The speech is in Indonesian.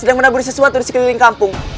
sedang menaburi sesuatu di sekeliling kampung